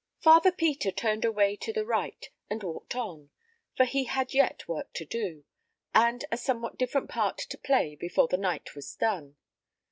Father Peter turned away to the right, and walked on; for he had yet work to do, and a somewhat different part to play before the night was done.